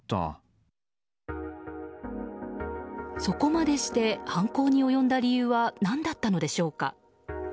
そこまでして犯行に及んだ理由は何だったのでしょうか。